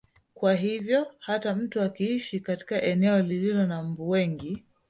Kwa hivyo hata mtu akiishi katika eneo lililo na mbu wengi